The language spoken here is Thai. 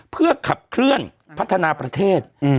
เพื่อขับเคลื่อนพัฒนาประเทศ